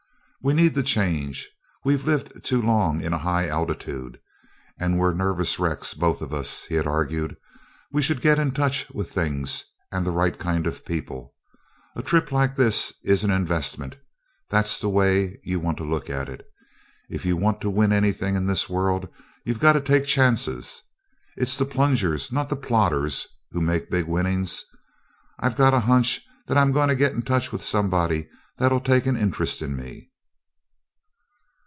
"We need the change; we've lived too long in a high altitude, and we're nervous wrecks, both of us," he had argued. "We should get in touch with things and the right kind of people. A trip like this is an investment that's the way you want to look at it. If you want to win anything in this world you've got to take chances. It's the plungers, not the plodders, who make big winnings. I gotta hunch that I'm going to get in touch with somebody that'll take an interest in me."